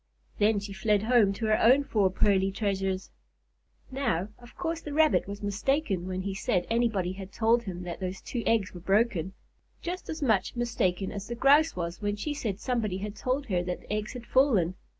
Then she fled home to her own four pearly treasures. Now, of course the Rabbit was mistaken when he said anybody had told him that those two eggs were broken; just as much mistaken as the Grouse was when she said somebody had told her that the eggs had fallen.